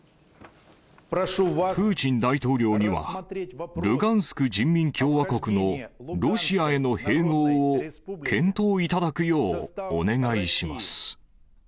プーチン大統領には、ルガンスク人民共和国のロシアへの併合を検討いただくようお願いします。